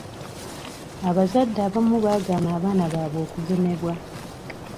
Abazadde abamu baagaana abaana baabwe okugemebwa.